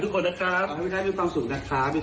ขอขอให้พี่น้อยมีความสุขมาก